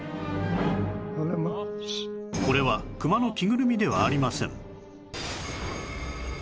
これはクマの着ぐるみではありません